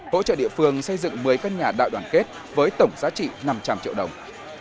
hỗ trợ địa phương xây dựng một mươi căn nhà đại đoàn kết với tổng giá trị năm trăm linh triệu đồng